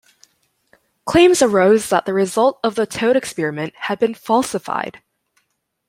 Claims arose that the result of the toad experiment had been falsified.